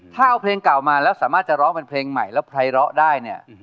ถ้าเอาเพลงเก่ามาแล้วสามารถจะร้องเป็นเพลงใหม่แล้วไพร้อได้เนี่ย